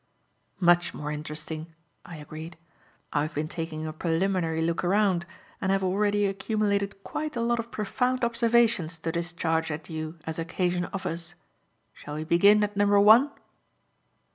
"Much more interesting," I agreed. "I have been taking a preliminary look round and have already accumulated quite a lot of profound observations to discharge at you as occasion offers. Shall we begin at number one?"